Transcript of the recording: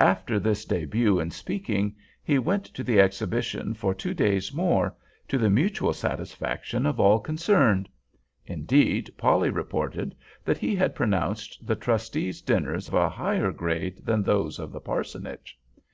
After this debut in speaking, he went to the exhibition for two days more, to the mutual satisfaction of all concerned. Indeed, Polly reported that he had pronounced the trustees' dinners of a higher grade than those of the parsonage.